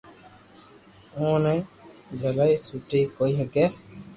اووہ جھلائي سوٽي ڪوئي ھگي